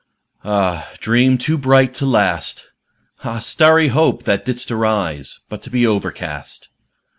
Ah, dream too bright to last! Ah, starry Hope! that didst arise But to be overcast!